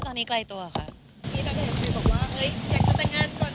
ตอนนี้ไกลตัวครับ